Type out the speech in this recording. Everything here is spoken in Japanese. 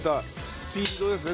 スピードですね